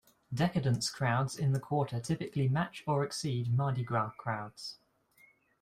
Decadence crowds in the Quarter typically match or exceed Mardi Gras crowds.